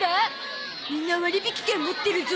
みんな割引券持ってるゾ。